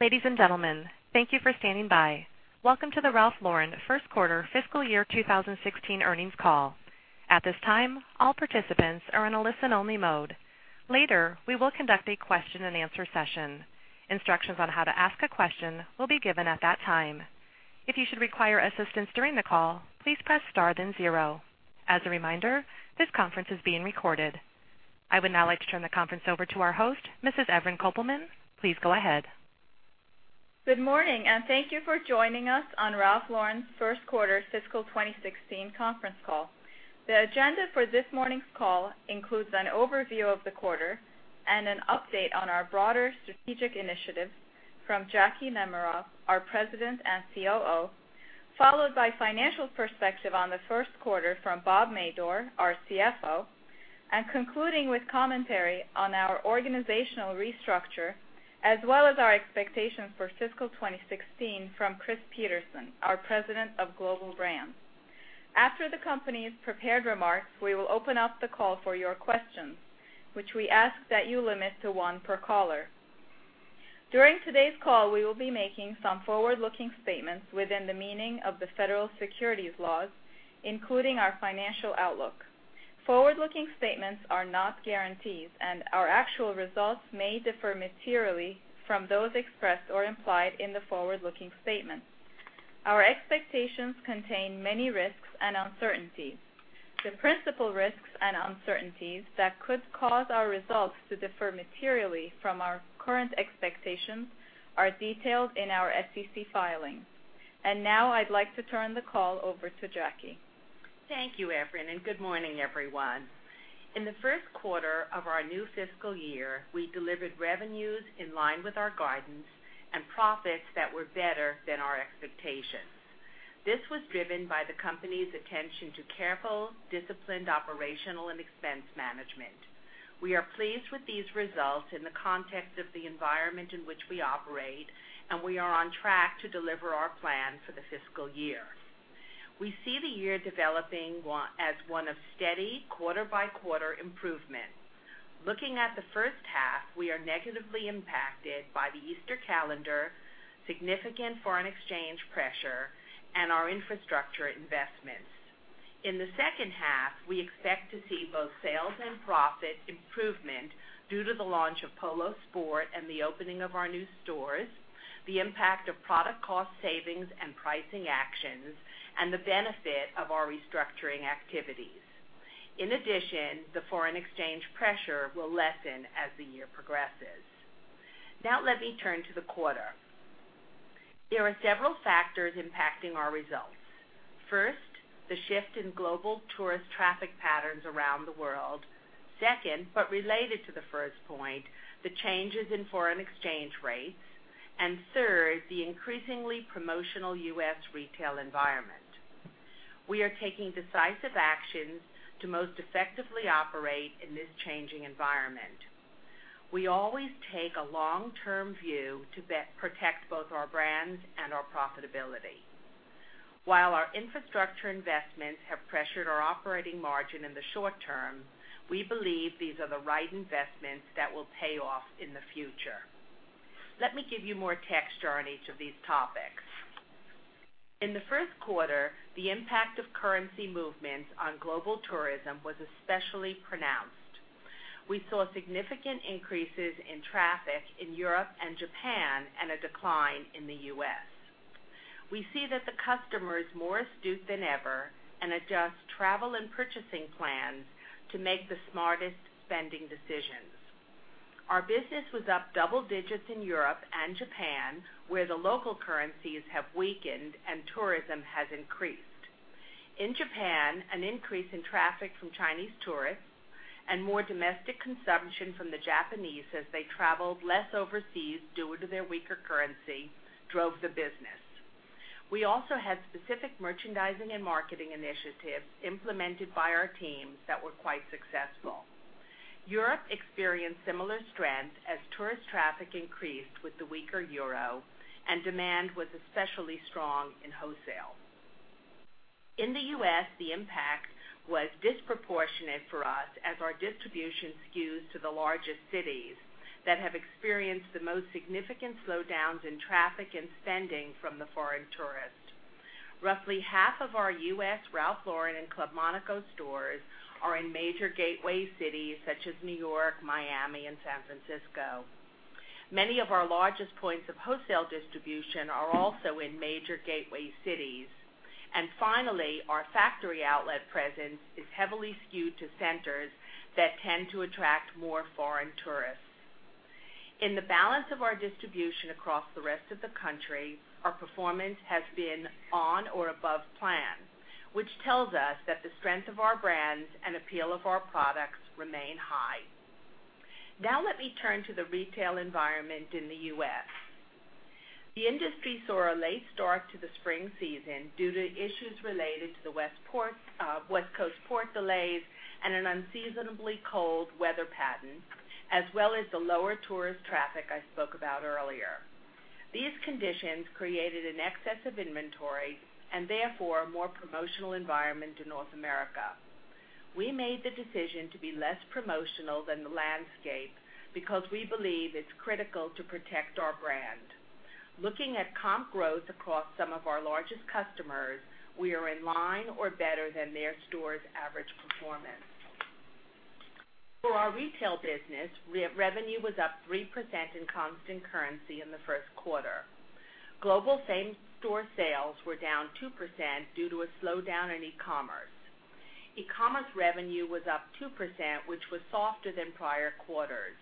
Ladies and gentlemen, thank you for standing by. Welcome to the Ralph Lauren first quarter fiscal year 2016 earnings call. At this time, all participants are in a listen-only mode. Later, we will conduct a question-and-answer session. Instructions on how to ask a question will be given at that time. If you should require assistance during the call, please press star then zero. As a reminder, this conference is being recorded. I would now like to turn the conference over to our host, Mrs. Evren Kopelman. Please go ahead. Good morning. Thank you for joining us on Ralph Lauren's first quarter fiscal 2016 conference call. The agenda for this morning's call includes an overview of the quarter and an update on our broader strategic initiatives from Jackie Nemerov, our President and COO, followed by financial perspective on the first quarter from Robert Madore, our CFO, and concluding with commentary on our organizational restructure, as well as our expectations for fiscal 2016 from Christopher Peterson, our President of Global Brands. After the company's prepared remarks, we will open up the call for your questions, which we ask that you limit to one per caller. During today's call, we will be making some forward-looking statements within the meaning of the federal securities laws, including our financial outlook. Forward-looking statements are not guarantees. Our actual results may differ materially from those expressed or implied in the forward-looking statements. Our expectations contain many risks and uncertainties. The principal risks and uncertainties that could cause our results to differ materially from our current expectations are detailed in our SEC filings. Now I'd like to turn the call over to Jackie. Thank you, Evren. Good morning, everyone. In the first quarter of our new fiscal year, we delivered revenues in line with our guidance and profits that were better than our expectations. This was driven by the company's attention to careful, disciplined operational and expense management. We are pleased with these results in the context of the environment in which we operate, and we are on track to deliver our plan for the fiscal year. We see the year developing as one of steady quarter-by-quarter improvement. Looking at the first half, we are negatively impacted by the Easter calendar, significant foreign exchange pressure, and our infrastructure investments. In the second half, we expect to see both sales and profit improvement due to the launch of Polo Sport and the opening of our new stores, the impact of product cost savings and pricing actions, and the benefit of our restructuring activities. In addition, the foreign exchange pressure will lessen as the year progresses. Let me turn to the quarter. There are several factors impacting our results. First, the shift in global tourist traffic patterns around the world. Second, related to the first point, the changes in foreign exchange rates. Third, the increasingly promotional U.S. retail environment. We are taking decisive actions to most effectively operate in this changing environment. We always take a long-term view to protect both our brands and our profitability. While our infrastructure investments have pressured our operating margin in the short term, we believe these are the right investments that will pay off in the future. Let me give you more texture on each of these topics. In the first quarter, the impact of currency movements on global tourism was especially pronounced. We saw significant increases in traffic in Europe and Japan and a decline in the U.S. We see that the customer is more astute than ever and adjusts travel and purchasing plans to make the smartest spending decisions. Our business was up double digits in Europe and Japan, where the local currencies have weakened and tourism has increased. In Japan, an increase in traffic from Chinese tourists and more domestic consumption from the Japanese as they traveled less overseas due to their weaker currency drove the business. We also had specific merchandising and marketing initiatives implemented by our teams that were quite successful. Europe experienced similar strength as tourist traffic increased with the weaker euro, demand was especially strong in wholesale. In the U.S., the impact was disproportionate for us as our distribution skews to the largest cities that have experienced the most significant slowdowns in traffic and spending from the foreign tourist. Roughly half of our U.S. Ralph Lauren and Club Monaco stores are in major gateway cities such as New York, Miami, and San Francisco. Many of our largest points of wholesale distribution are also in major gateway cities. Finally, our factory outlet presence is heavily skewed to centers that tend to attract more foreign tourists. In the balance of our distribution across the rest of the country, our performance has been on or above plan, which tells us that the strength of our brands and appeal of our products remain high. Let me turn to the retail environment in the U.S. The industry saw a late start to the spring season due to issues related to the West Coast port delays and an unseasonably cold weather pattern, as well as the lower tourist traffic I spoke about earlier. These conditions created an excess of inventory and therefore a more promotional environment in North America. We made the decision to be less promotional than the landscape because we believe it's critical to protect our brand. Looking at comp growth across some of our largest customers, we are in line or better than their stores' average performance. For our retail business, revenue was up 3% in constant currency in the first quarter. Global same-store sales were down 2% due to a slowdown in e-commerce. E-commerce revenue was up 2%, which was softer than prior quarters.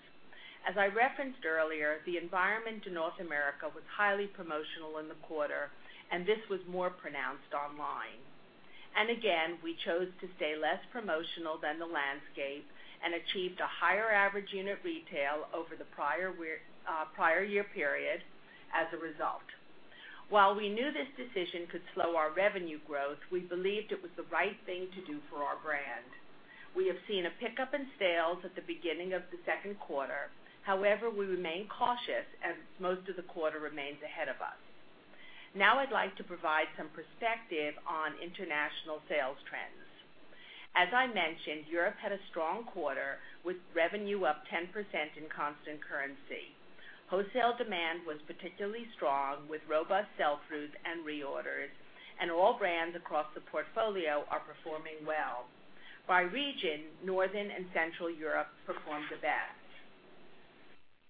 As I referenced earlier, the environment in North America was highly promotional in the quarter, and this was more pronounced online. Again, we chose to stay less promotional than the landscape and achieved a higher average unit retail over the prior year period as a result. While we knew this decision could slow our revenue growth, we believed it was the right thing to do for our brand. We have seen a pickup in sales at the beginning of the second quarter. However, we remain cautious as most of the quarter remains ahead of us. Now I'd like to provide some perspective on international sales trends. As I mentioned, Europe had a strong quarter, with revenue up 10% in constant currency. Wholesale demand was particularly strong, with robust sell-throughs and reorders, and all brands across the portfolio are performing well. By region, Northern and Central Europe performed the best.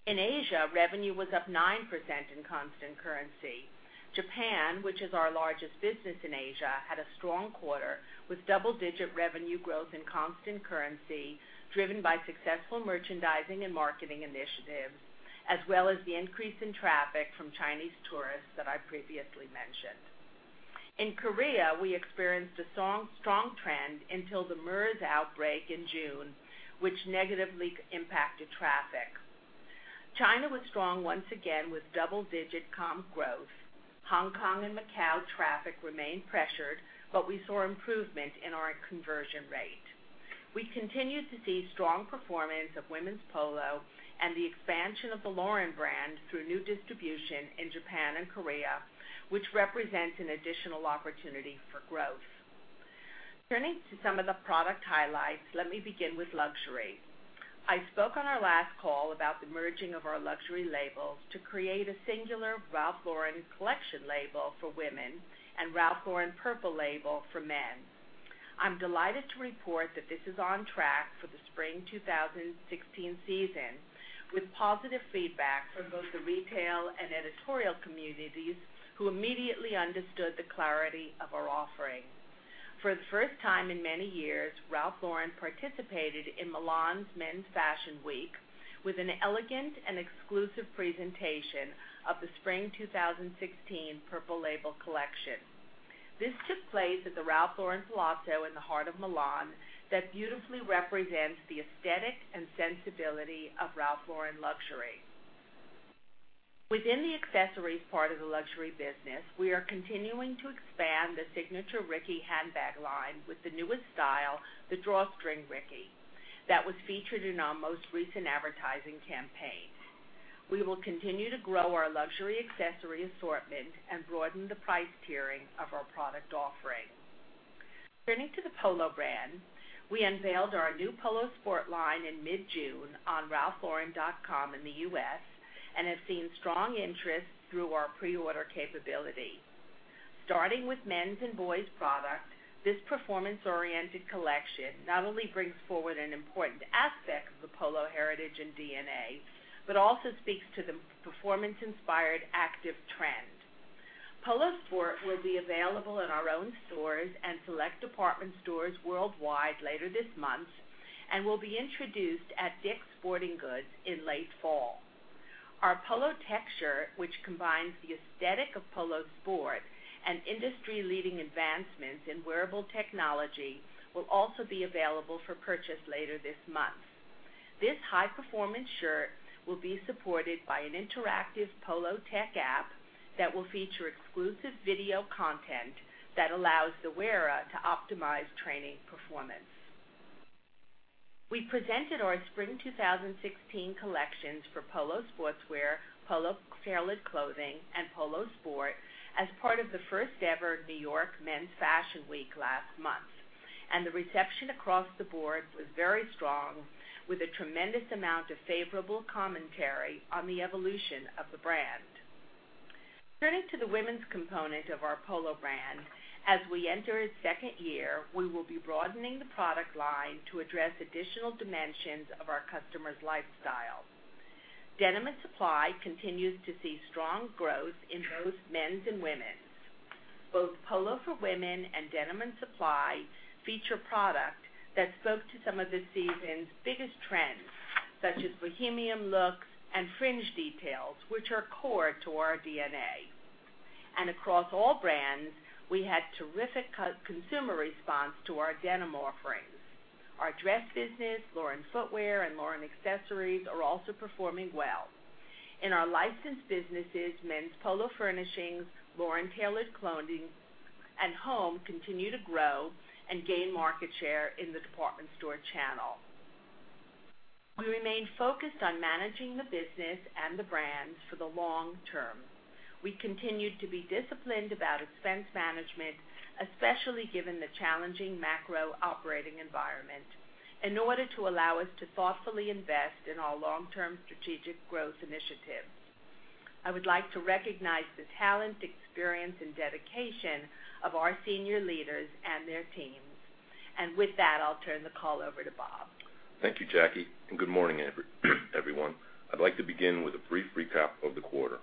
In Asia, revenue was up 9% in constant currency. Japan, which is our largest business in Asia, had a strong quarter, with double-digit revenue growth in constant currency, driven by successful merchandising and marketing initiatives, as well as the increase in traffic from Chinese tourists that I previously mentioned. In Korea, we experienced a strong trend until the MERS outbreak in June, which negatively impacted traffic. China was strong once again with double-digit comp growth. Hong Kong and Macau traffic remained pressured, but we saw improvement in our conversion rate. We continued to see strong performance of women's Polo and the expansion of the Lauren brand through new distribution in Japan and Korea, which represents an additional opportunity for growth. Turning to some of the product highlights, let me begin with luxury. I spoke on our last call about the merging of our luxury labels to create a singular Ralph Lauren Collection label for women and Ralph Lauren Purple Label for men. I'm delighted to report that this is on track for the Spring 2016 season, with positive feedback from both the retail and editorial communities, who immediately understood the clarity of our offering. For the first time in many years, Ralph Lauren participated in Milan Fashion Week Men's with an elegant and exclusive presentation of the Spring 2016 Purple Label collection. This took place at the Ralph Lauren Palazzo in the heart of Milan, that beautifully represents the aesthetic and sensibility of Ralph Lauren luxury. Within the accessories part of the luxury business, we are continuing to expand the signature Ricky handbag line with the newest style, the Drawstring Ricky, that was featured in our most recent advertising campaign. We will continue to grow our luxury accessory assortment and broaden the price tiering of our product offering. Turning to the Polo brand, we unveiled our new Polo Sport line in mid-June on ralphlauren.com in the U.S. and have seen strong interest through our pre-order capability. Starting with men's and boys' product, this performance-oriented collection not only brings forward an important aspect of the Polo heritage and DNA, but also speaks to the performance-inspired active trend. Polo Sport will be available in our own stores and select department stores worldwide later this month and will be introduced at Dick's Sporting Goods in late fall. Our Polo Tech shirt, which combines the aesthetic of Polo Sport and industry-leading advancements in wearable technology, will also be available for purchase later this month. This high-performance shirt will be supported by an interactive Polo Tech app that will feature exclusive video content that allows the wearer to optimize training performance. We presented our Spring 2016 collections for Polo Sportswear, Polo Tailored Clothing, and Polo Sport as part of the first-ever New York Men's Fashion Week last month, and the reception across the board was very strong, with a tremendous amount of favorable commentary on the evolution of the brand. Turning to the women's component of our Polo brand, as we enter its second year, we will be broadening the product line to address additional dimensions of our customers' lifestyle. Denim & Supply continues to see strong growth in both men's and women's. Both Polo for women and Denim & Supply feature product that spoke to some of this season's biggest trends, such as bohemian looks and fringe details, which are core to our DNA. Across all brands, we had terrific consumer response to our denim offerings. Our dress business, Lauren Footwear, and Lauren Accessories are also performing well. In our licensed businesses, Men's Polo Furnishings, Lauren Tailored Clothing, and Home continue to grow and gain market share in the department store channel. We remain focused on managing the business and the brands for the long term. We continued to be disciplined about expense management, especially given the challenging macro operating environment, in order to allow us to thoughtfully invest in our long-term strategic growth initiatives. I would like to recognize the talent, experience, and dedication of our senior leaders and their teams. With that, I'll turn the call over to Bob. Thank you, Jackie, and good morning, everyone. I'd like to begin with a brief recap of the quarter.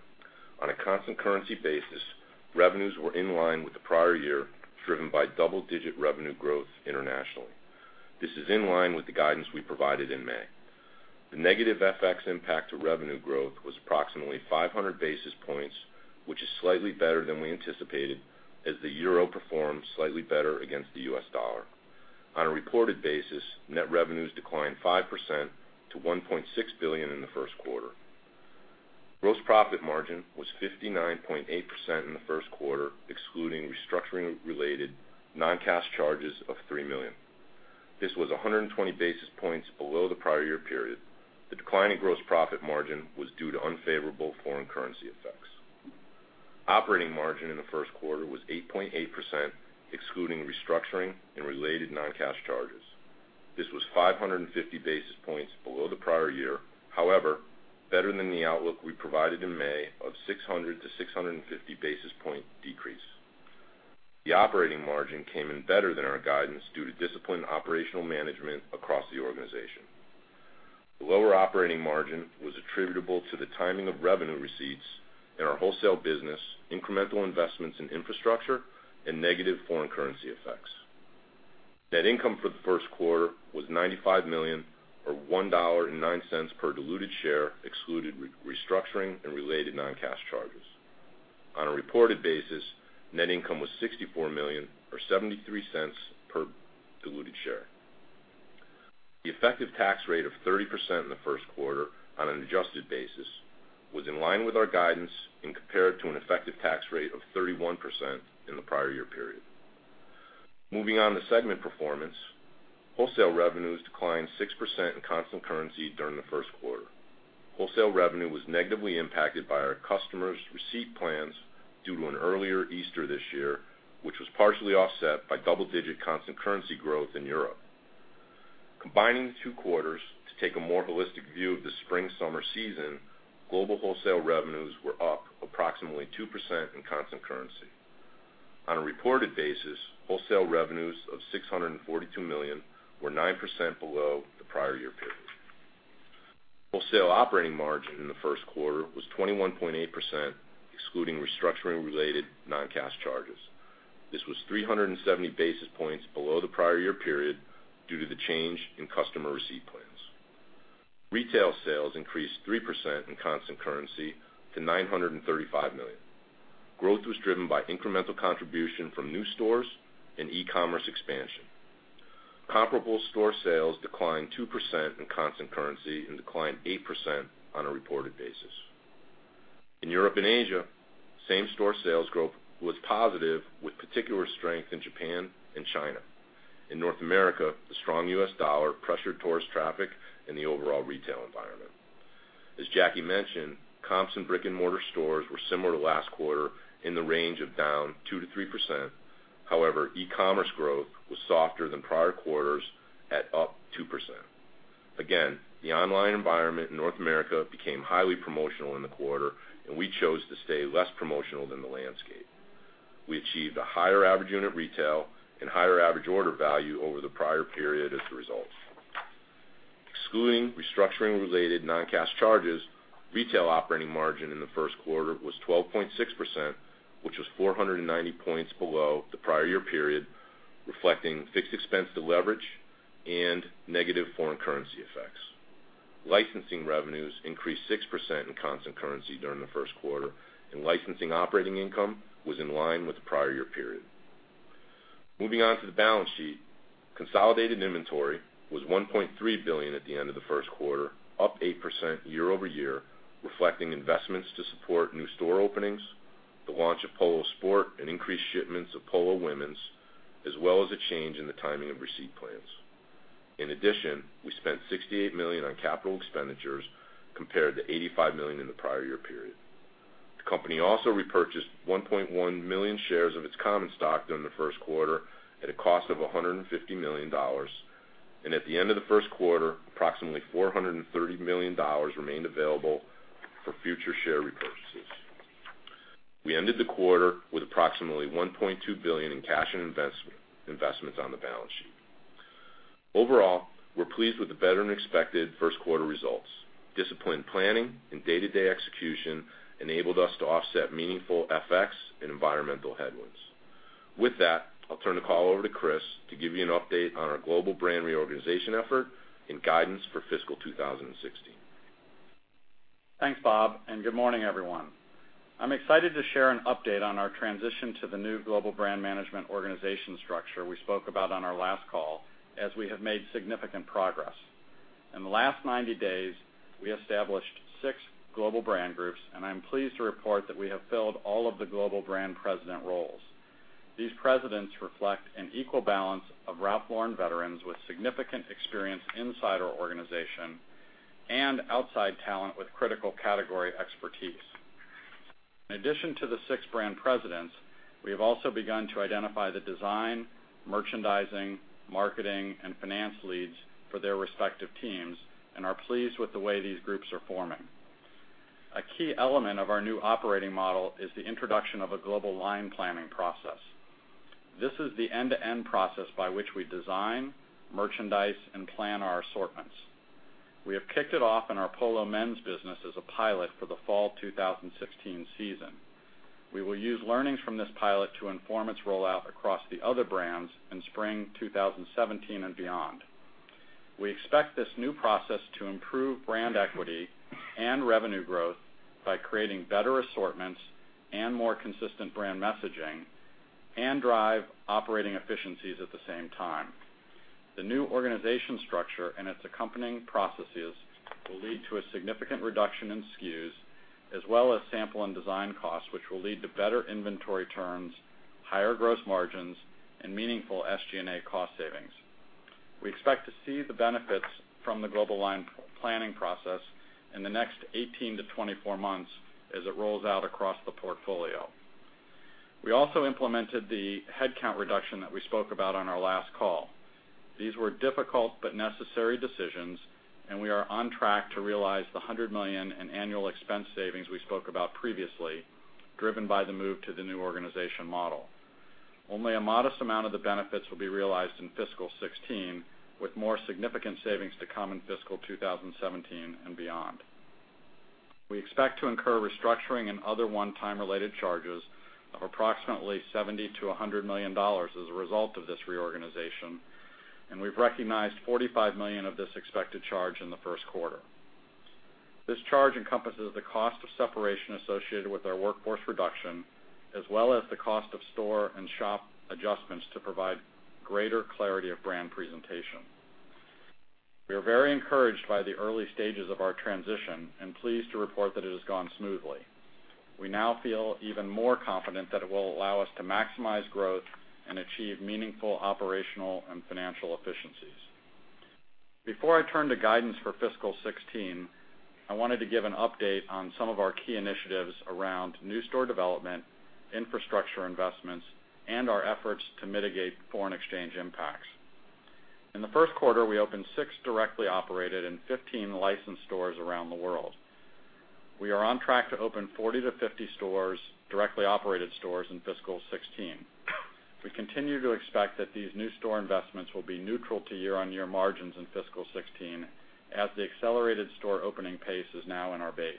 On a constant currency basis, revenues were in line with the prior year, driven by double-digit revenue growth internationally. This is in line with the guidance we provided in May. The negative FX impact to revenue growth was approximately 500 basis points, which is slightly better than we anticipated as the euro performed slightly better against the US dollar. On a reported basis, net revenues declined 5% to $1.6 billion in the first quarter. Gross profit margin was 59.8% in the first quarter, excluding restructuring-related non-cash charges of $3 million. This was 120 basis points below the prior year period. The decline in gross profit margin was due to unfavorable foreign currency effects. Operating margin in the first quarter was 8.8%, excluding restructuring and related non-cash charges. This was 550 basis points below the prior year, however, better than the outlook we provided in May of 600-650 basis point decrease. The operating margin came in better than our guidance due to disciplined operational management across the organization. The lower operating margin was attributable to the timing of revenue receipts in our wholesale business, incremental investments in infrastructure, and negative foreign currency effects. Net income for the first quarter was $95 million, or $1.09 per diluted share excluded restructuring and related non-cash charges. On a reported basis, net income was $64 million, or $0.73 per diluted share. The effective tax rate of 30% in the first quarter, on an adjusted basis, was in line with our guidance and compared to an effective tax rate of 31% in the prior year period. Moving on to segment performance. Wholesale revenues declined 6% in constant currency during the first quarter. Wholesale revenue was negatively impacted by our customers' receipt plans due to an earlier Easter this year, which was partially offset by double-digit constant currency growth in Europe. Combining the two quarters to take a more holistic view of the spring-summer season, global wholesale revenues were up approximately 2% in constant currency. On a reported basis, wholesale revenues of $642 million were 9% below the prior year period. Wholesale operating margin in the first quarter was 21.8%, excluding restructuring-related non-cash charges. This was 370 basis points below the prior year period due to the change in customer receipt plans. Retail sales increased 3% in constant currency to $935 million. Growth was driven by incremental contribution from new stores and e-commerce expansion. Comparable store sales declined 2% in constant currency and declined 8% on a reported basis. In Europe and Asia, same-store sales growth was positive with particular strength in Japan and China. In North America, the strong US dollar pressured tourist traffic in the overall retail environment. As Jackie mentioned, comps in brick-and-mortar stores were similar to last quarter in the range of down 2%-3%. E-commerce growth was softer than prior quarters at up 2%. The online environment in North America became highly promotional in the quarter, and we chose to stay less promotional than the landscape. We achieved a higher average unit retail and higher average order value over the prior period as a result. Excluding restructuring-related non-cash charges, retail operating margin in the first quarter was 12.6%, which was 490 points below the prior year period, reflecting fixed expense deleverage and negative foreign currency effects. Licensing revenues increased 6% in constant currency during the first quarter, and licensing operating income was in line with the prior year period. Moving on to the balance sheet. Consolidated inventory was $1.3 billion at the end of the first quarter, up 8% year over year, reflecting investments to support new store openings, the launch of Polo Sport, and increased shipments of Polo women's, as well as a change in the timing of receipt plans. In addition, we spent $68 million on capital expenditures compared to $85 million in the prior year period. The company also repurchased 1.1 million shares of its common stock during the first quarter at a cost of $150 million. At the end of the first quarter, approximately $430 million remained available for future share repurchases. We ended the quarter with approximately $1.2 billion in cash and investments on the balance sheet. We're pleased with the better-than-expected first quarter results. Disciplined planning and day-to-day execution enabled us to offset meaningful FX and environmental headwinds. I'll turn the call over to Chris to give you an update on our global brand reorganization effort and guidance for fiscal 2016. Thanks, Bob, and good morning, everyone. I'm excited to share an update on our transition to the new global brand management organization structure we spoke about on our last call, as we have made significant progress. In the last 90 days, we established six global brand groups, and I'm pleased to report that we have filled all of the global brand president roles. These presidents reflect an equal balance of Ralph Lauren veterans with significant experience inside our organization and outside talent with critical category expertise. In addition to the six brand presidents, we have also begun to identify the design, merchandising, marketing, and finance leads for their respective teams and are pleased with the way these groups are forming. A key element of our new operating model is the introduction of a global line planning process. This is the end-to-end process by which we design, merchandise, and plan our assortments. We have kicked it off in our Polo men's business as a pilot for the fall 2016 season. We will use learnings from this pilot to inform its rollout across the other brands in spring 2017 and beyond. We expect this new process to improve brand equity and revenue growth by creating better assortments and more consistent brand messaging, and drive operating efficiencies at the same time. The new organization structure and its accompanying processes will lead to a significant reduction in SKUs, as well as sample and design costs, which will lead to better inventory turns, higher gross margins, and meaningful SG&A cost savings. We expect to see the benefits from the global line planning process in the next 18 to 24 months as it rolls out across the portfolio. We also implemented the headcount reduction that we spoke about on our last call. These were difficult but necessary decisions, and we are on track to realize the $100 million in annual expense savings we spoke about previously, driven by the move to the new organization model. Only a modest amount of the benefits will be realized in fiscal 2016, with more significant savings to come in fiscal 2017 and beyond. We expect to incur restructuring and other one-time related charges of approximately $70 million-$100 million as a result of this reorganization, and we've recognized $45 million of this expected charge in the first quarter. This charge encompasses the cost of separation associated with our workforce reduction, as well as the cost of store and shop adjustments to provide greater clarity of brand presentation. We are very encouraged by the early stages of our transition and pleased to report that it has gone smoothly. We now feel even more confident that it will allow us to maximize growth and achieve meaningful operational and financial efficiencies. Before I turn to guidance for fiscal 2016, I wanted to give an update on some of our key initiatives around new store development, infrastructure investments, and our efforts to mitigate foreign exchange impacts. In the first quarter, we opened six directly operated and 15 licensed stores around the world. We are on track to open 40 to 50 directly operated stores in fiscal 2016. We continue to expect that these new store investments will be neutral to year-on-year margins in fiscal 2016 as the accelerated store opening pace is now in our base.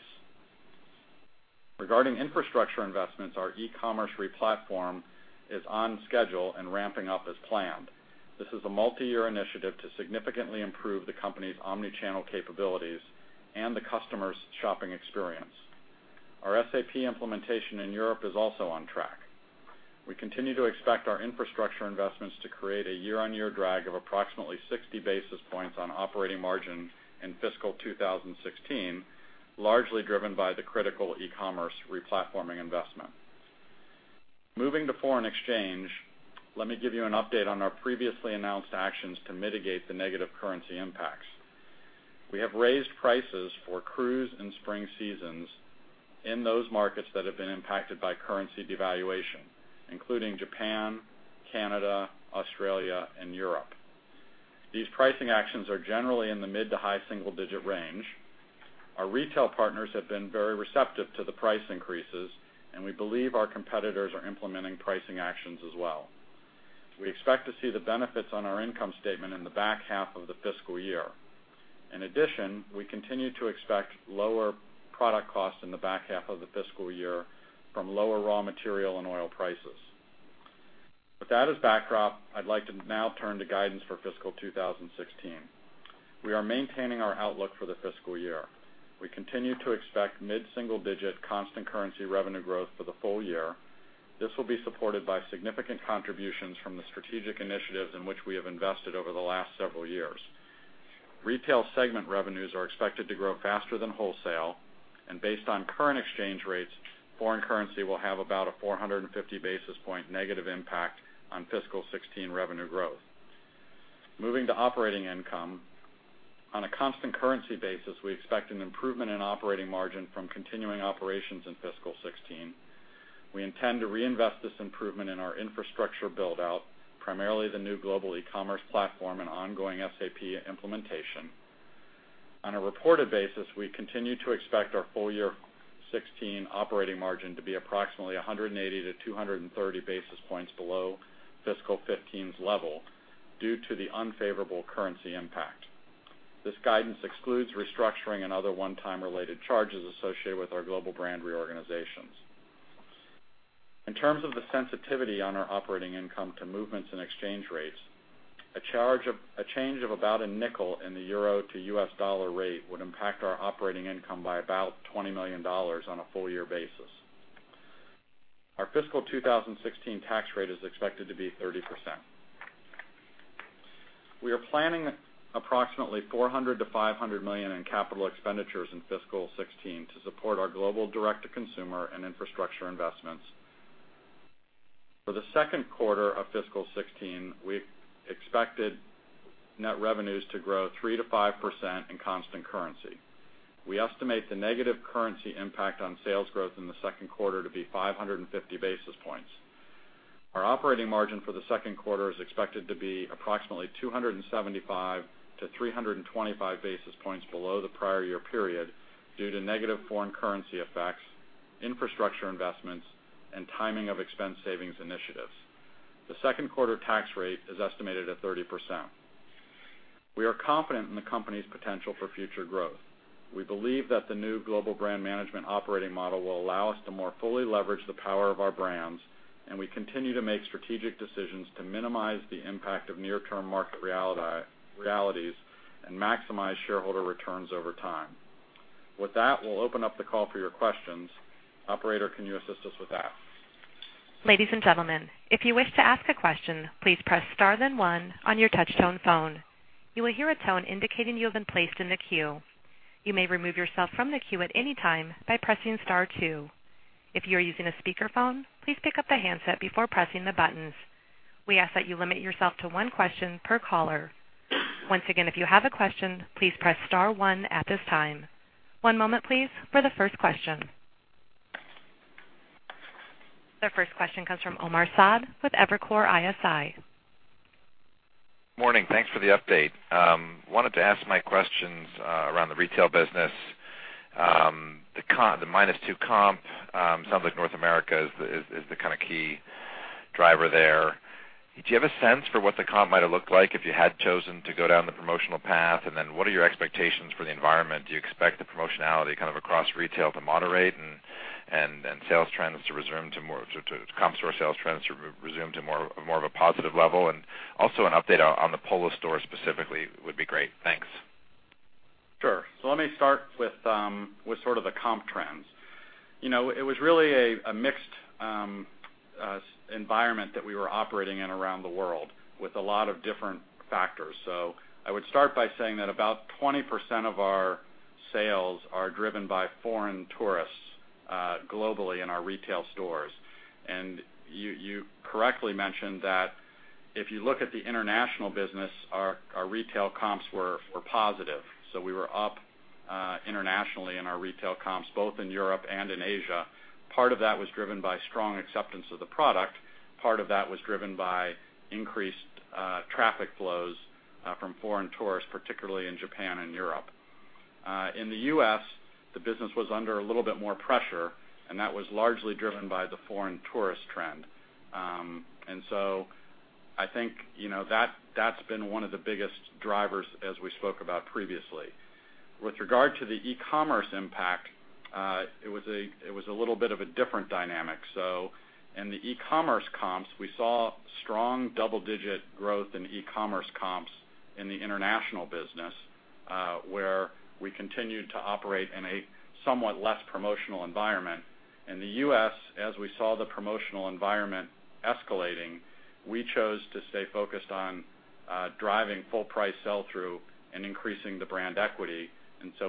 Regarding infrastructure investments, our e-commerce re-platform is on schedule and ramping up as planned. This is a multi-year initiative to significantly improve the company's omni-channel capabilities and the customer's shopping experience. Our SAP implementation in Europe is also on track. We continue to expect our infrastructure investments to create a year-on-year drag of approximately 60 basis points on operating margin in fiscal 2016, largely driven by the critical e-commerce re-platforming investment. Moving to foreign exchange, let me give you an update on our previously announced actions to mitigate the negative currency impacts. We have raised prices for cruise and spring seasons in those markets that have been impacted by currency devaluation, including Japan, Canada, Australia, and Europe. These pricing actions are generally in the mid to high single-digit range. Our retail partners have been very receptive to the price increases. We believe our competitors are implementing pricing actions as well. We expect to see the benefits on our income statement in the back half of the fiscal year. In addition, we continue to expect lower product costs in the back half of the fiscal year from lower raw material and oil prices. With that as backdrop, I'd like to now turn to guidance for fiscal 2016. We are maintaining our outlook for the fiscal year. We continue to expect mid-single-digit constant currency revenue growth for the full year. This will be supported by significant contributions from the strategic initiatives in which we have invested over the last several years. Retail segment revenues are expected to grow faster than wholesale. Based on current exchange rates, foreign currency will have about a 450 basis point negative impact on fiscal 2016 revenue growth. Moving to operating income, on a constant currency basis, we expect an improvement in operating margin from continuing operations in fiscal 2016. We intend to reinvest this improvement in our infrastructure build-out, primarily the new global e-commerce platform and ongoing SAP implementation. On a reported basis, we continue to expect our full year 2016 operating margin to be approximately 180 to 230 basis points below fiscal 2015's level due to the unfavorable currency impact. This guidance excludes restructuring and other one-time related charges associated with our global brand reorganizations. In terms of the sensitivity on our operating income to movements in exchange rates, a change of about a nickel in the EUR to US dollar rate would impact our operating income by about $20 million on a full-year basis. Our fiscal 2016 tax rate is expected to be 30%. We are planning approximately $400 million to $500 million in capital expenditures in fiscal 2016 to support our global direct-to-consumer and infrastructure investments. For the second quarter of fiscal 2016, we expected net revenues to grow 3%-5% in constant currency. We estimate the negative currency impact on sales growth in the second quarter to be 550 basis points. Our operating margin for the second quarter is expected to be approximately 275 to 325 basis points below the prior year period due to negative foreign currency effects, infrastructure investments, and timing of expense savings initiatives. The second quarter tax rate is estimated at 30%. We are confident in the company's potential for future growth. We believe that the new global brand management operating model will allow us to more fully leverage the power of our brands. We continue to make strategic decisions to minimize the impact of near-term market realities and maximize shareholder returns over time. With that, we'll open up the call for your questions. Operator, can you assist us with that? Ladies and gentlemen, if you wish to ask a question, please press star one on your touch-tone phone. You will hear a tone indicating you have been placed in the queue. You may remove yourself from the queue at any time by pressing star two. If you are using a speakerphone, please pick up the handset before pressing the buttons. We ask that you limit yourself to one question per caller. Once again, if you have a question, please press star one at this time. One moment, please, for the first question. The first question comes from Omar Saad with Evercore ISI. Morning. Thanks for the update. Wanted to ask my questions around the retail business. The -2 comp, sounds like North America is the kind of key driver there. Do you have a sense for what the comp might've looked like if you had chosen to go down the promotional path? What are your expectations for the environment? Do you expect the promotionality kind of across retail to moderate and sales trends to resume to more comp store sales trends to resume to more of a positive level? Also an update on the Polo store specifically would be great. Thanks. Sure. Let me start with sort of the comp trends. It was really a mixed environment that we were operating in around the world with a lot of different factors. I would start by saying that about 20% of our sales are driven by foreign tourists globally in our retail stores. You correctly mentioned that if you look at the international business, our retail comps were positive. We were up internationally in our retail comps, both in Europe and in Asia. Part of that was driven by strong acceptance of the product. Part of that was driven by increased traffic flows from foreign tourists, particularly in Japan and Europe. In the U.S., the business was under a little bit more pressure, that was largely driven by the foreign tourist trend. I think that's been one of the biggest drivers as we spoke about previously. With regard to the e-commerce impact, it was a little bit of a different dynamic. In the e-commerce comps, we saw strong double-digit growth in e-commerce comps in the international business, where we continued to operate in a somewhat less promotional environment. In the U.S., as we saw the promotional environment escalating, we chose to stay focused on driving full price sell-through and increasing the brand equity.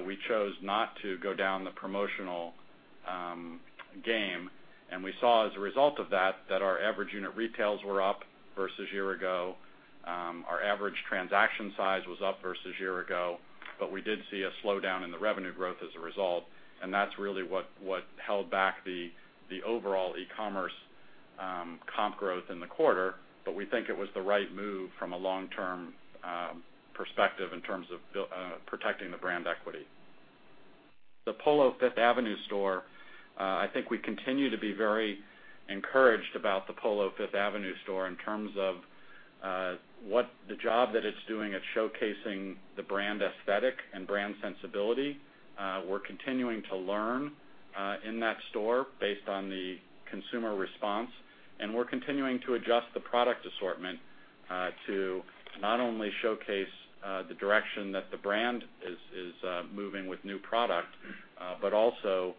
We chose not to go down the promotional game, and we saw as a result of that our average unit retails were up versus year ago. Our average transaction size was up versus year ago. We did see a slowdown in the revenue growth as a result, and that's really what held back the overall e-commerce comp growth in the quarter. We think it was the right move from a long-term perspective in terms of protecting the brand equity. The Polo Fifth Avenue store, I think we continue to be very encouraged about the Polo Fifth Avenue store in terms of what the job that it's doing at showcasing the brand aesthetic and brand sensibility. We're continuing to learn in that store based on the consumer response, and we're continuing to adjust the product assortment to not only showcase the direction that the brand is moving with new product, but also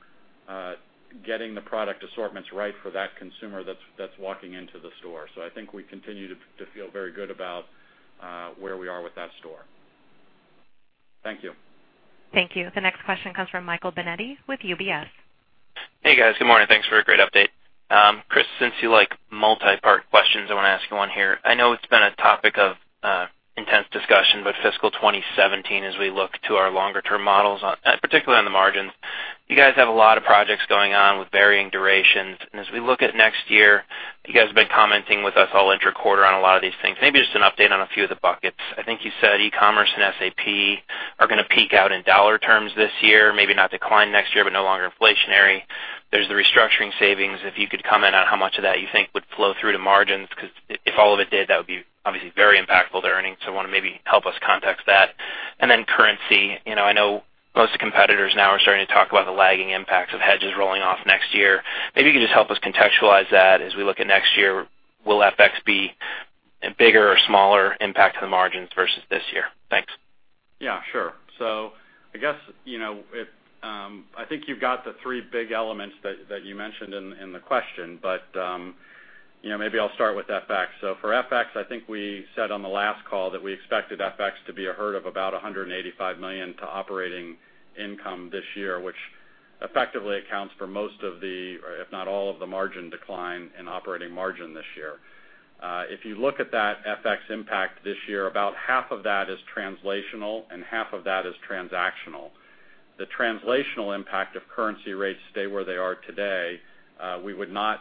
getting the product assortments right for that consumer that's walking into the store. I think we continue to feel very good about where we are with that store. Thank you. Thank you. The next question comes from Michael Binetti with UBS. Hey, guys. Good morning. Thanks for a great update. Chris, since you like multi-part questions, I want to ask you one here. I know it's been a topic of intense discussion, but fiscal 2017 as we look to our longer-term models, particularly on the margins. You guys have a lot of projects going on with varying durations. As we look at next year, you guys have been commenting with us all inter-quarter on a lot of these things. Maybe just an update on a few of the buckets. I think you said e-commerce and SAP are going to peak out in dollar terms this year, maybe not decline next year, but no longer inflationary. There's the restructuring savings, if you could comment on how much of that you think would flow through to margins, because if all of it did, that would be obviously very impactful to earnings. Want to maybe help us context that. Currency, I know most competitors now are starting to talk about the lagging impacts of hedges rolling off next year. Maybe you could just help us contextualize that as we look at next year. Will FX be a bigger or smaller impact to the margins versus this year? Thanks. Yeah, sure. I think you've got the three big elements that you mentioned in the question, but maybe I'll start with FX. For FX, I think we said on the last call that we expected FX to be a hurt of about $185 million to operating income this year, which effectively accounts for most of the, if not all of the margin decline in operating margin this year. If you look at that FX impact this year, about half of that is translational and half of that is transactional. The translational impact if currency rates stay where they are today, we would not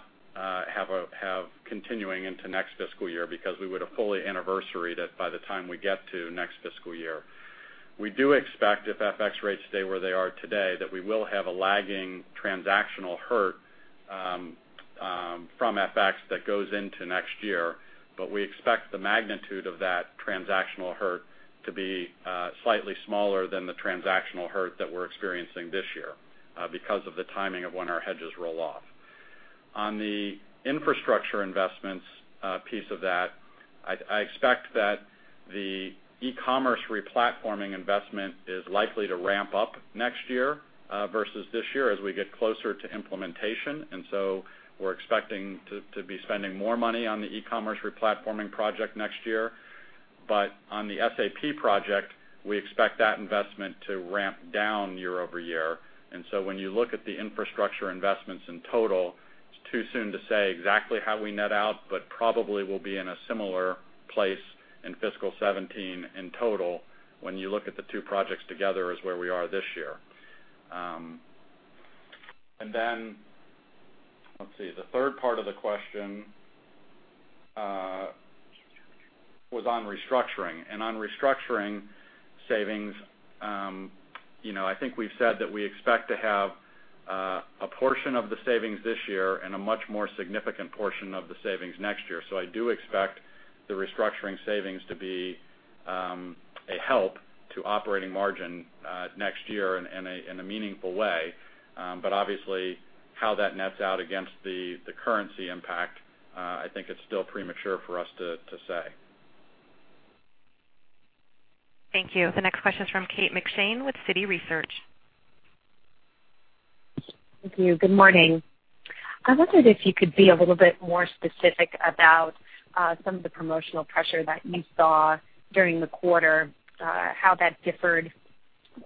have continuing into next fiscal year because we would have fully anniversaried it by the time we get to next fiscal year. We do expect, if FX rates stay where they are today, that we will have a lagging transactional hurt from FX that goes into next year. We expect the magnitude of that transactional hurt to be slightly smaller than the transactional hurt that we're experiencing this year because of the timing of when our hedges roll off. On the infrastructure investments piece of that, I expect that the e-commerce replatforming investment is likely to ramp up next year versus this year as we get closer to implementation. We're expecting to be spending more money on the e-commerce replatforming project next year. On the SAP project, we expect that investment to ramp down year-over-year. When you look at the infrastructure investments in total, it's too soon to say exactly how we net out, but probably we'll be in a similar place in fiscal 2017 in total when you look at the two projects together as where we are this year. Let's see, the third part of the question was on restructuring. On restructuring savings, I think we've said that we expect to have a portion of the savings this year and a much more significant portion of the savings next year. I do expect the restructuring savings to be a help to operating margin next year in a meaningful way. Obviously, how that nets out against the currency impact, I think it's still premature for us to say. Thank you. The next question is from Katharine McShane with Citi Research. Thank you. Good morning. I wondered if you could be a little bit more specific about some of the promotional pressure that you saw during the quarter, how that differed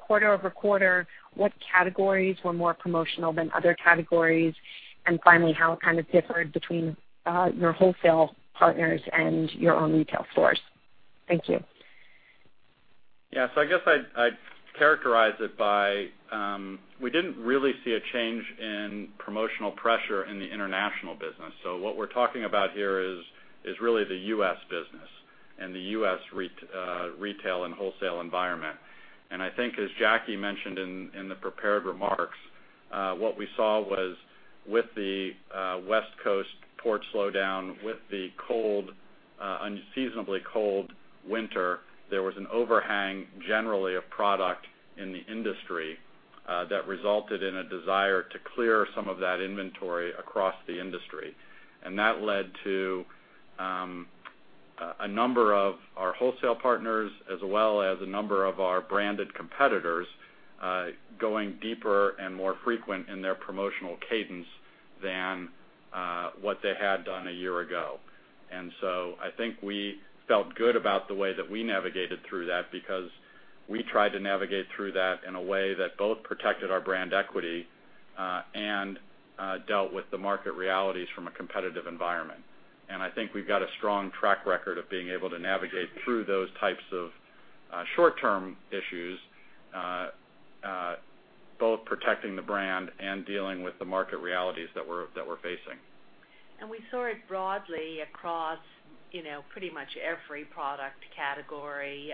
quarter-over-quarter, what categories were more promotional than other categories, and finally, how it kind of differed between your wholesale partners and your own retail stores. Thank you. Yeah. I guess I'd characterize it by, we didn't really see a change in promotional pressure in the international business. What we're talking about here is really the U.S. business and the U.S. retail and wholesale environment. I think as Jackie mentioned in the prepared remarks, what we saw was with the West Coast port slowdown, with the unseasonably cold winter, there was an overhang generally of product in the industry that resulted in a desire to clear some of that inventory across the industry. That led to a number of our wholesale partners, as well as a number of our branded competitors, going deeper and more frequent in their promotional cadence than what they had done a year ago. I think we felt good about the way that we navigated through that because we tried to navigate through that in a way that both protected our brand equity and dealt with the market realities from a competitive environment. I think we've got a strong track record of being able to navigate through those types of short-term issues, both protecting the brand and dealing with the market realities that we're facing. We saw it broadly across pretty much every product category,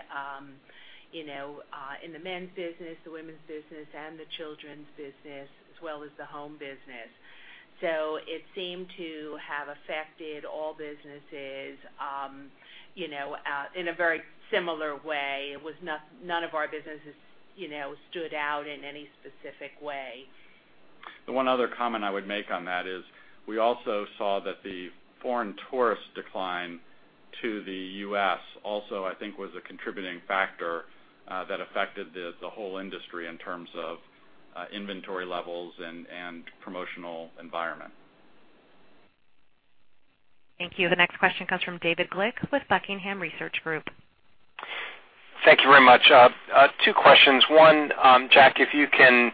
in the men's business, the women's business, and the children's business, as well as the home business. It seemed to have affected all businesses in a very similar way. None of our businesses stood out in any specific way. The one other comment I would make on that is we also saw that the foreign tourist decline to the U.S. also, I think, was a contributing factor that affected the whole industry in terms of inventory levels and promotional environment. Thank you. The next question comes from David Glick with Buckingham Research Group. Thank you very much. Two questions. One, Jack, if you can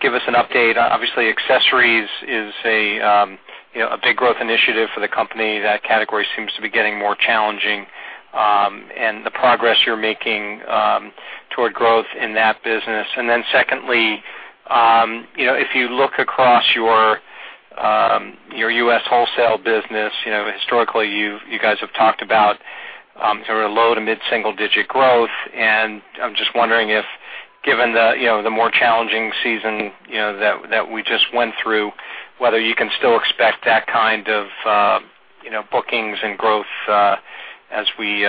give us an update. Obviously, accessories is a big growth initiative for the company. That category seems to be getting more challenging and the progress you're making toward growth in that business. Then secondly, if you look across your U.S. wholesale business, historically you guys have talked about sort of low- to mid-single digit growth. I'm just wondering if, given the more challenging season that we just went through, whether you can still expect that kind of bookings and growth as we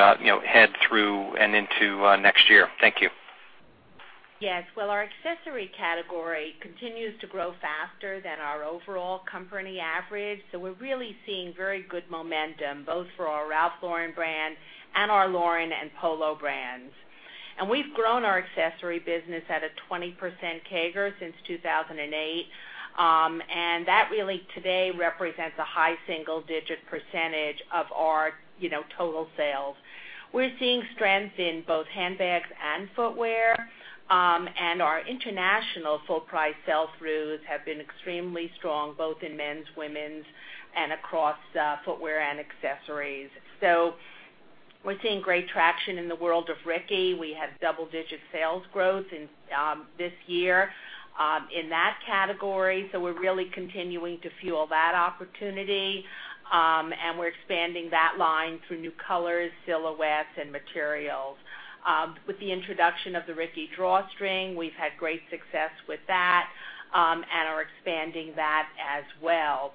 head through and into next year. Thank you. Yes. Well, our accessory category continues to grow faster than our overall company average. We're really seeing very good momentum, both for our Ralph Lauren brand and our Lauren and Polo brands. We've grown our accessory business at a 20% CAGR since 2008. That really today represents a high single-digit percentage of our total sales. We're seeing strength in both handbags and footwear. Our international full price sell-throughs have been extremely strong, both in men's, women's, and across footwear and accessories. We're seeing great traction in the world of Ricky. We had double-digit sales growth this year in that category, so we're really continuing to fuel that opportunity. We're expanding that line through new colors, silhouettes, and materials. With the introduction of the Ricky Drawstring, we've had great success with that, and are expanding that as well.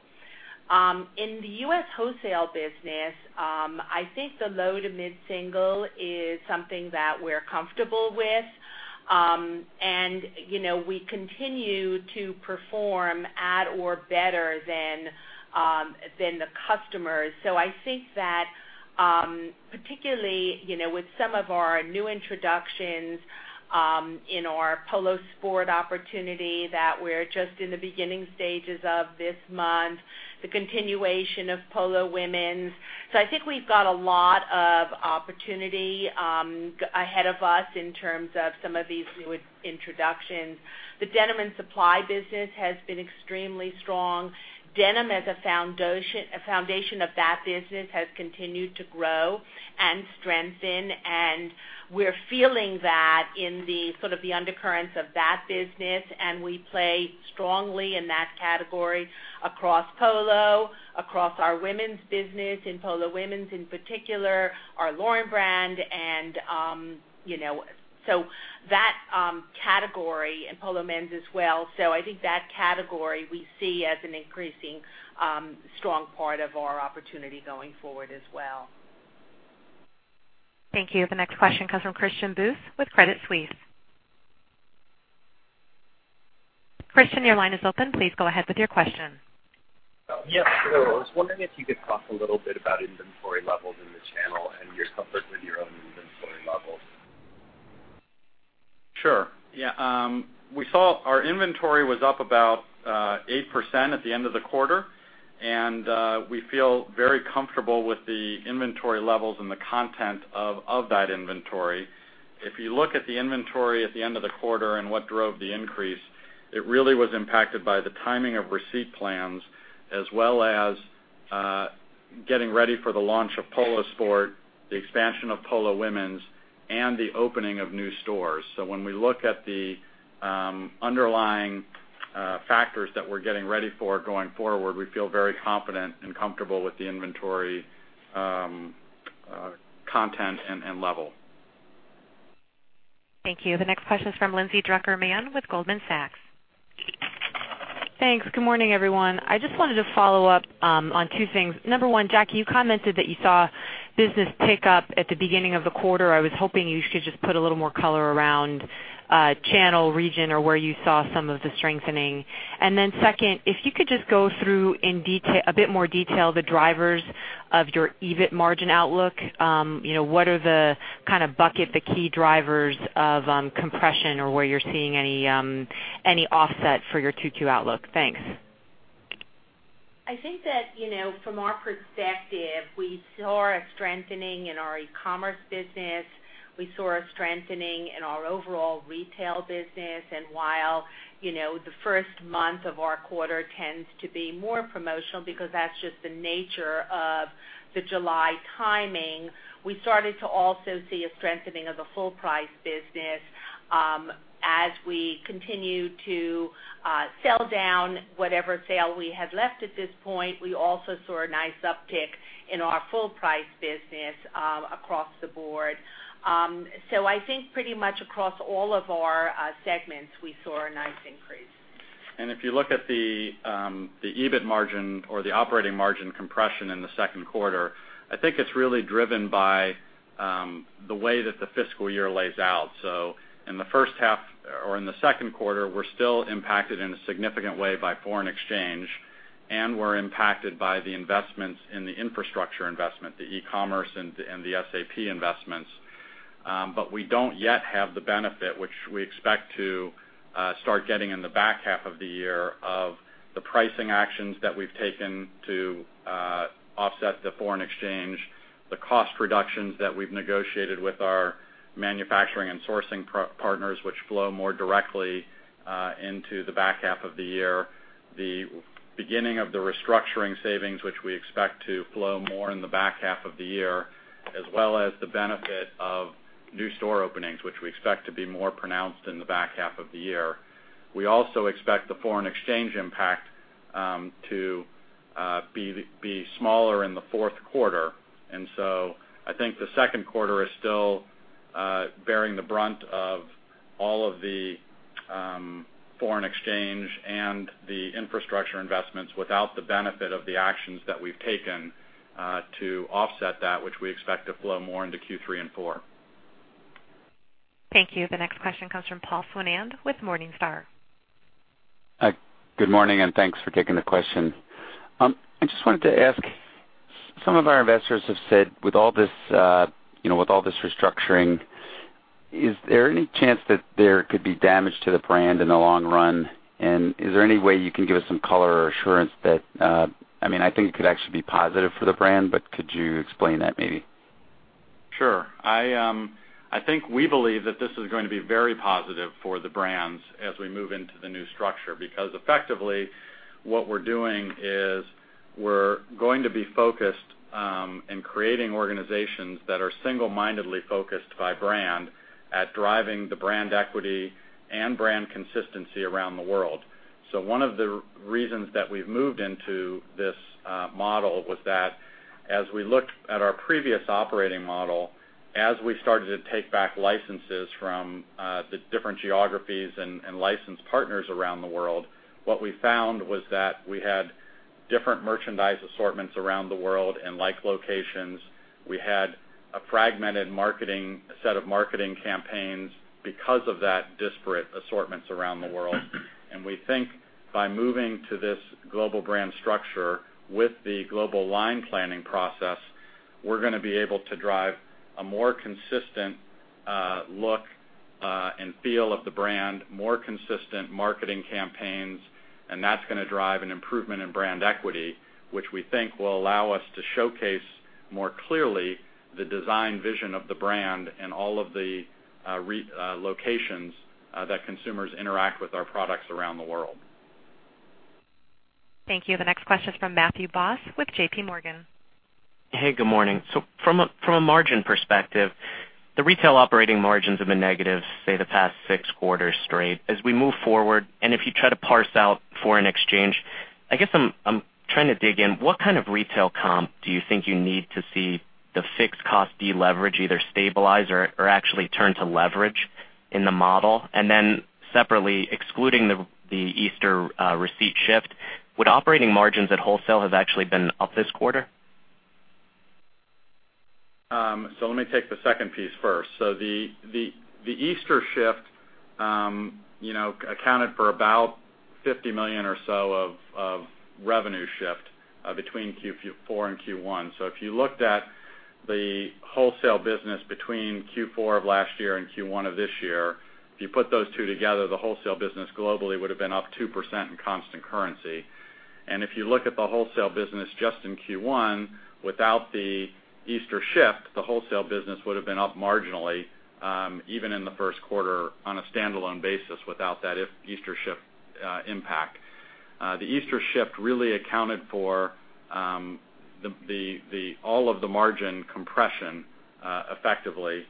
In the U.S. wholesale business, I think the low to mid-single is something that we're comfortable with. We continue to perform at or better than the customers. I think that, particularly, with some of our new introductions in our Polo Sport opportunity that we're just in the beginning stages of this month, the continuation of Polo women's. I think we've got a lot of opportunity ahead of us in terms of some of these new introductions. The Denim & Supply business has been extremely strong. Denim as a foundation of that business has continued to grow and strengthen, and we're feeling that in the sort of the undercurrents of that business, and we play strongly in that category across Polo, across our women's business, in Polo women's in particular, our Lauren brand, and so that category and Polo men's as well. I think that category, we see as an increasing strong part of our opportunity going forward as well. Thank you. The next question comes from Christian Buss with Credit Suisse. Christian, your line is open. Please go ahead with your question. Yeah. I was wondering if you could talk a little bit about inventory levels in the channel and your comfort with your own inventory levels. Sure. Yeah. We saw our inventory was up about 8% at the end of the quarter, and we feel very comfortable with the inventory levels and the content of that inventory. If you look at the inventory at the end of the quarter and what drove the increase, it really was impacted by the timing of receipt plans, as well as getting ready for the launch of Polo Sport, the expansion of Polo women's, and the opening of new stores. When we look at the underlying factors that we're getting ready for going forward, we feel very confident and comfortable with the inventory content and level. Thank you. The next question is from Lindsay Drucker Mann with Goldman Sachs. Thanks. Good morning, everyone. I just wanted to follow up on two things. Number one, Jackie, you commented that you saw business pick up at the beginning of the quarter. I was hoping you could just put a little more color around channel, region, or where you saw some of the strengthening. Second, if you could just go through a bit more detail, the drivers of your EBIT margin outlook. What are the kind of bucket, the key drivers of compression or where you're seeing any offset for your Q2 outlook? Thanks. From our perspective, we saw a strengthening in our e-commerce business. We saw a strengthening in our overall retail business. While the first month of our quarter tends to be more promotional because that's just the nature of the July timing, we started to also see a strengthening of the full price business. As we continue to sell down whatever sale we have left at this point, we also saw a nice uptick in our full price business across the board. I think pretty much across all of our segments, we saw a nice increase. If you look at the EBIT margin or the operating margin compression in the second quarter, I think it's really driven by the way that the fiscal year lays out. In the first half or in the second quarter, we're still impacted in a significant way by foreign exchange, and we're impacted by the investments in the infrastructure investment, the e-commerce and the SAP investments. We don't yet have the benefit, which we expect to start getting in the back half of the year of the pricing actions that we've taken to offset the foreign exchange, the cost reductions that we've negotiated with our manufacturing and sourcing partners, which flow more directly into the back half of the year. The beginning of the restructuring savings, which we expect to flow more in the back half of the year, as well as the benefit of new store openings, which we expect to be more pronounced in the back half of the year. We also expect the foreign exchange impact to be smaller in the fourth quarter. I think the second quarter is still bearing the brunt of all of the foreign exchange and the infrastructure investments without the benefit of the actions that we've taken to offset that, which we expect to flow more into Q3 and 4. Thank you. The next question comes from Paul Swinand with Morningstar. Good morning, and thanks for taking the question. I just wanted to ask, some of our investors have said with all this restructuring, is there any chance that there could be damage to the brand in the long run? Is there any way you can give us some color or assurance? I think it could actually be positive for the brand, but could you explain that maybe? Sure. I think we believe that this is going to be very positive for the brands as we move into the new structure. Effectively what we're doing is we're going to be focused in creating organizations that are single-mindedly focused by brand at driving the brand equity and brand consistency around the world. One of the reasons that we've moved into this model was that as we looked at our previous operating model, as we started to take back licenses from the different geographies and license partners around the world, what we found was that we had different merchandise assortments around the world in like locations. We had a fragmented set of marketing campaigns because of that disparate assortments around the world. We think by moving to this global brand structure with the global line planning process, we're going to be able to drive a more consistent look and feel of the brand, more consistent marketing campaigns, and that's going to drive an improvement in brand equity, which we think will allow us to showcase more clearly the design vision of the brand in all of the locations that consumers interact with our products around the world. Thank you. The next question is from Matthew Boss with J.P. Morgan. Hey, good morning. From a margin perspective, the retail operating margins have been negative, say, the past six quarters straight. As we move forward, and if you try to parse out foreign exchange, I guess I'm trying to dig in, what kind of retail comp do you think you need to see the fixed cost deleverage either stabilize or actually turn to leverage in the model? Separately, excluding the Easter receipt shift, would operating margins at wholesale have actually been up this quarter? Let me take the second piece first. The Easter shift accounted for about $50 million or so of revenue shift between Q4 and Q1. If you looked at the wholesale business between Q4 of last year and Q1 of this year, if you put those two together, the wholesale business globally would've been up 2% in constant currency. If you look at the wholesale business just in Q1, without the Easter shift, the wholesale business would've been up marginally, even in the first quarter on a standalone basis without that Easter shift impact. The Easter shift really accounted for all of the margin compression, effectively,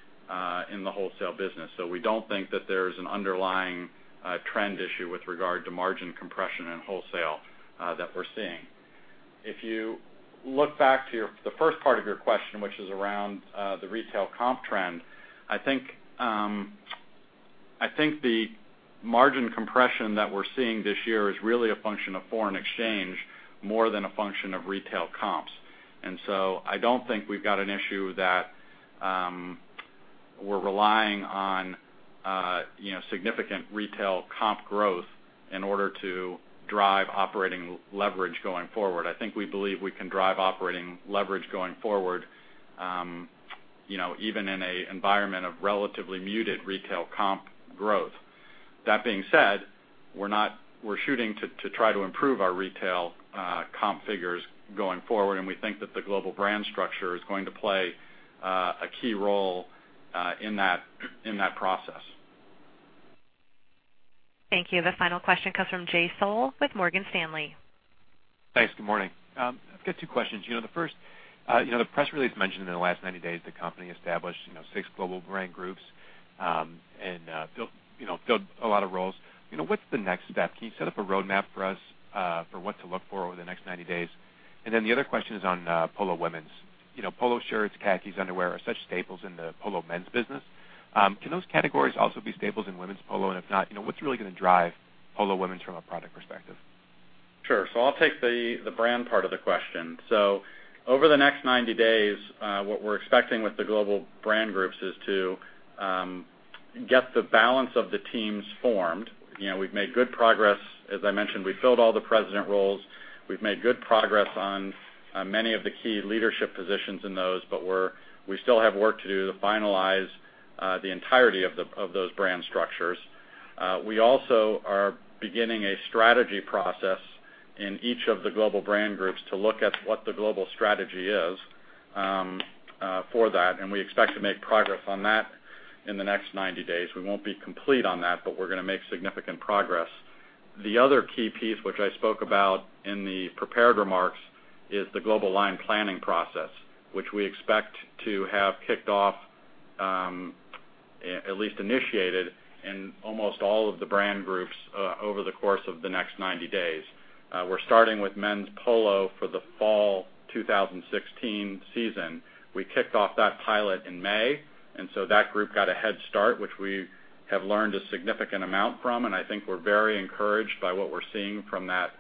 in the wholesale business. We don't think that there's an underlying trend issue with regard to margin compression in wholesale that we're seeing. If you look back to the first part of your question, which is around the retail comp trend, I think the margin compression that we're seeing this year is really a function of foreign exchange more than a function of retail comps. I don't think we've got an issue that we're relying on significant retail comp growth in order to drive operating leverage going forward. I think we believe we can drive operating leverage going forward even in an environment of relatively muted retail comp growth. That being said, we're shooting to try to improve our retail comp figures going forward, and we think that the global brand structure is going to play a key role in that process. Thank you. The final question comes from Jay Sole with Morgan Stanley. Thanks. Good morning. I've got two questions. The first, the press release mentioned in the last 90 days, the company established 6 global brand groups, and filled a lot of roles. What's the next step? Can you set up a roadmap for us for what to look for over the next 90 days? The other question is on Polo women's. Polo shirts, khakis, underwear are such staples in the Polo men's business. Can those categories also be staples in women's Polo? If not, what's really going to drive Polo women's from a product perspective? Sure. I'll take the brand part of the question. Over the next 90 days, what we're expecting with the global brand groups is to get the balance of the teams formed. We've made good progress. As I mentioned, we filled all the president roles. We've made good progress on many of the key leadership positions in those, but we still have work to do to finalize the entirety of those brand structures. We also are beginning a strategy process in each of the global brand groups to look at what the global strategy is for that, and we expect to make progress on that in the next 90 days. We won't be complete on that, but we're going to make significant progress. The other key piece, which I spoke about in the prepared remarks, is the global line planning process, which we expect to have kicked off, at least initiated, in almost all of the brand groups, over the course of the next 90 days. We're starting with men's Polo for the fall 2016 season. We kicked off that pilot in May, that group got a head start, which we have learned a significant amount from. We're very encouraged by what we're seeing from that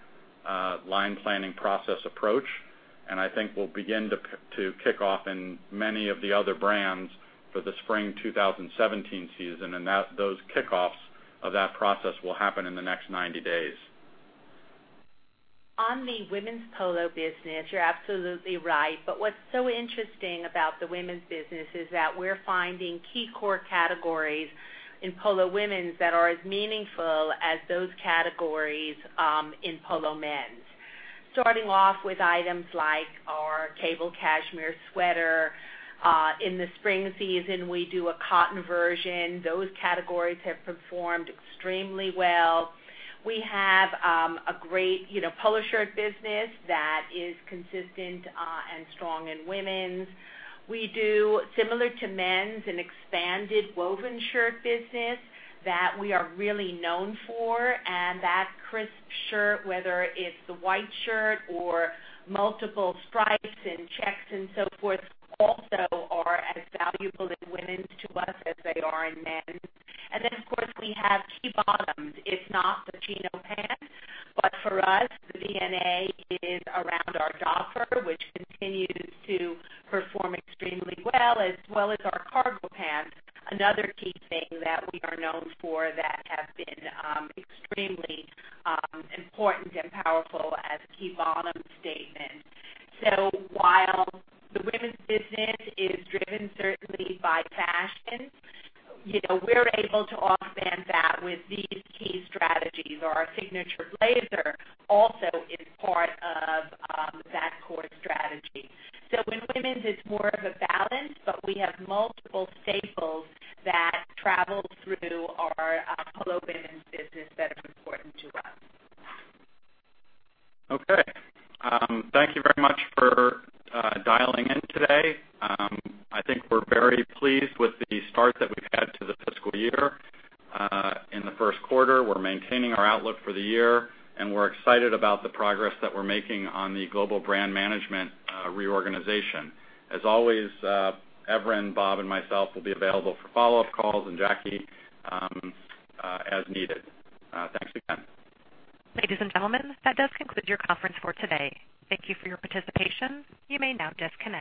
line planning process approach. We'll begin to kick off in many of the other brands for the Spring 2017 season, and those kickoffs of that process will happen in the next 90 days. On the women's Polo business, you're absolutely right. What's so interesting about the women's business is that we're finding key core categories in Polo women's that are as meaningful as those categories in Polo men's. Starting off with items like our cable cashmere sweater. In the spring season, we do a cotton version. Those categories have performed extremely well. We have a great Polo shirt business that is consistent and strong in women's. We do, similar to men's, an expanded woven shirt business that we are really known for, and that crisp shirt, whether it's the white shirt or multiple stripes and checks and so forth, also are as valuable in women's to us as they are in men's. Of course, we have key bottoms. It's not the chino pants, but for us, the DNA is around our jodhpur, which continues to perform extremely well, as well as our cargo pants, another key thing that we are known for that have been extremely important and powerful as a key bottom statement. While the women's business is driven certainly by fashion, we're able to offset that with these key strategies. Our signature blazer also is part of that core strategy. In women's, it's more of a balance, but we have multiple staples that travel through our Polo business that are important to us. Okay. Thank you very much for dialing in today. I think we're very pleased with the start that we've had to the fiscal year. In the first quarter, we're maintaining our outlook for the year, and we're excited about the progress that we're making on the global brand management reorganization. As always, Evren, Bob, and myself will be available for follow-up calls, and Jackie, as needed. Thanks again. Ladies and gentlemen, that does conclude your conference for today. Thank you for your participation. You may now disconnect.